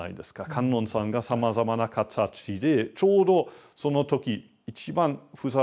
観音さんがさまざまな形でちょうどその時一番ふさわしい形であらわれる。